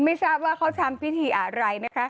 ไม่ทราบว่าเขาทำพิธีอะไรนะคะ